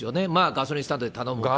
ガソリンスタンドで頼むか。